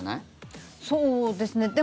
そうですね。